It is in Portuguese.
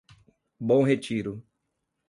Bom Retiro